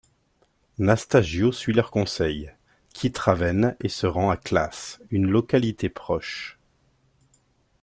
Nastagio suit leur conseil, quitte Ravenne et se rend à Classe, une localité proche.